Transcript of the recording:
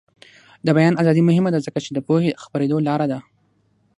د بیان ازادي مهمه ده ځکه چې د پوهې خپریدو لاره ده.